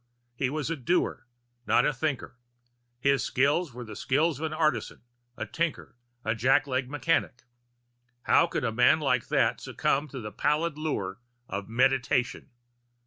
He was a doer, not a thinker; his skills were the skills of an artisan, a tinkerer, a jackleg mechanic. How could a man like that succumb to the pallid lure of Meditation?